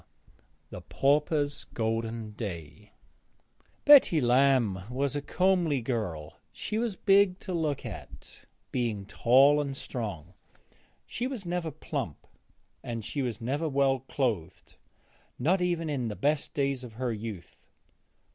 X THE PAUPERS' GOLDEN DAY Betty Lamb was a comely girl; she was big to look at, being tall and strong. She was never plump; she was never well clothed, not even in the best days of her youth.